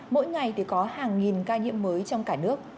mỗi ngày thì có hàng nghìn ca nhiễm mới trong cả nước